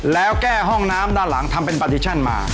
แล้วแก้ห้องน้ำด้านหลังทำเป็นปาดิชั่นมา